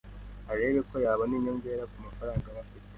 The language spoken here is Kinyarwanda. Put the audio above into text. arebe ko yabona inyongera ku mafaranga aba afite.